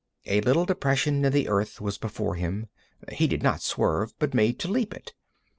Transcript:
A little depression in the earth was before him. He did not swerve, but made to leap it.